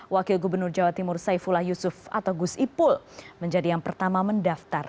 wakil gubernur jawa timur saifullah yusuf atau gus ipul menjadi yang pertama mendaftar